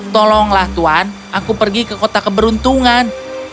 tolonglah tuan aku pergi ke kota keberuntungan